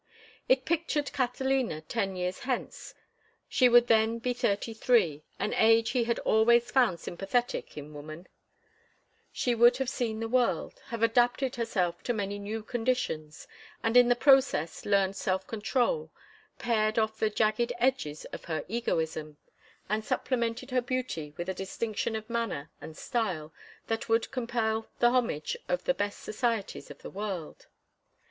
It pictured Catalina ten years hence; she would then be thirty three, an age he had always found sympathetic in woman; she would have seen the world, have adapted herself to many new conditions, and in the process learned self control, pared off the jagged edges of her egoism, and supplemented her beauty with a distinction of manner and style that would compel the homage of the best societies of the world.